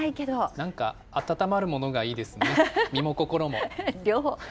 なんか暖まるものがいいですね、身も心も。